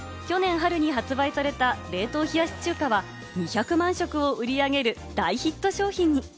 去年春に発売された冷凍冷やし中華は２００万食を売り上げる大ヒット商品に。